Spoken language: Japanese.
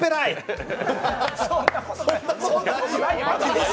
そんなことないよ。